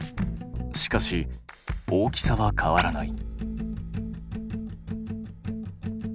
しかし大きさは変わらない。